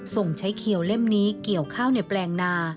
ส่งใช้เขียวเล่มนี้เกี่ยวข้าวในแปลงนา